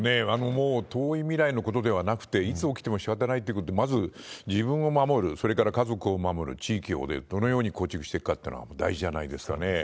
もう遠い未来のことではなくて、いつ起きてもしかたがないってことで、まず自分を守る、それから家族を守る、地域をね、どのように構築していくかってのは大事じゃないですかね。